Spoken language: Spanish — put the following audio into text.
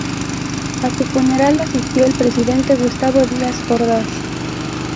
A su funeral asistió el presidente Gustavo Díaz Ordaz.